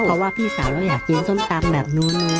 เพราะว่าพี่สาวเราอยากกินส้มตำแบบนู้น